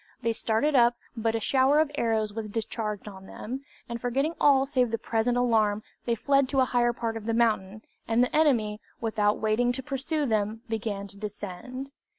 They started up, but a shower of arrows was discharged on them, and forgetting all save the present alarm, they fled to a higher part of the mountain, and the enemy, without waiting to pursue them, began to descend.